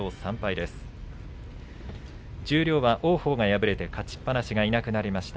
十両は王鵬が敗れて勝ちっぱなしがいなくなりました。